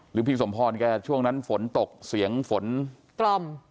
พี่สมพรแกช่วงนั้นฝนตกเสียงฝนกล่อม